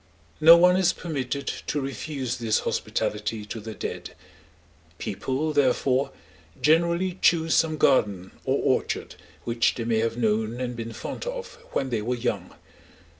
No one is permitted to refuse this hospitality to the dead: people, therefore, generally choose some garden or orchard which they may have known and been fond of when they were young.